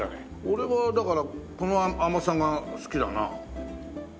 俺はだからこの甘さが好きだな。